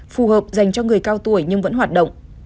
phù hợp dành cho người cao tuổi nhưng vẫn hoạt động